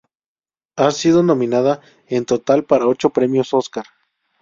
Ha sido nominada en total para ocho premios Oscar.